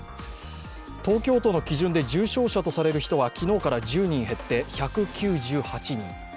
東京都の基準で重症者とされる人は昨日から１０人減って１９８人。